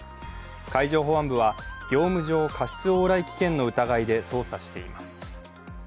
海上保安部は業務上過失往来危険の疑いで捜査しています。